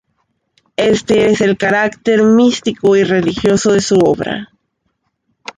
Este es el carácter místico y religioso de su obra.